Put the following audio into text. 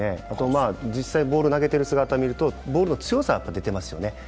あと実際、ボールを投げてる姿を見てると、ボールの強さがありますよね。